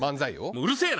うるせえな！